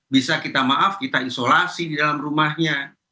bisa kita maaf kita isolasi di dalam rumahnya